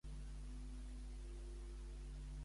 Què observava Pausànies a prop d'Onquest?